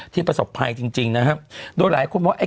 ที่ประสบภัยจริงนะฮะโดยหลายคนบอก